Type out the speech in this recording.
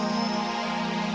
bapak ku datang nih